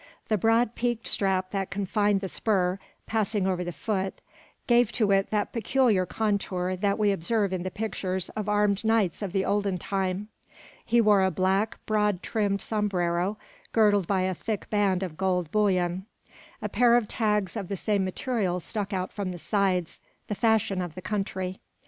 The broad peaked strap that confined the spur, passing over the foot, gave to it that peculiar contour that we observe in the pictures of armed knights of the olden time. He wore a black, broad brimmed sombrero, girdled by a thick band of gold bullion. A pair of tags of the same material stuck out from the sides: the fashion of the country.